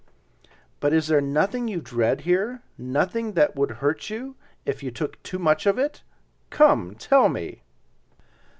"But is there nothing you dread here—nothing that would hurt you if you took too much of it? Come, tell me."